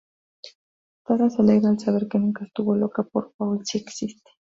Tara se alegra al saber que nunca estuvo loca, porque Paul sí existe.